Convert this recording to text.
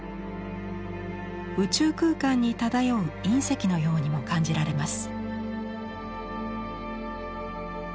宇宙空間に漂う隕石のようにも感じられます。